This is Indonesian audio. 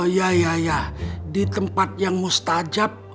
ya ya di tempat yang mustajab